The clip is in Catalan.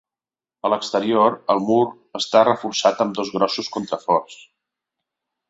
A l'exterior, el mur està reforçat amb dos grossos contraforts.